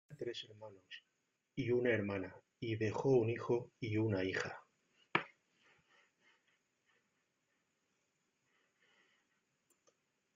Tenía tres hermanos y una hermana y dejó un hijo y una hija.